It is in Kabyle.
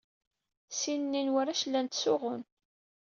Sin-nni n warrac llan ttsuɣun.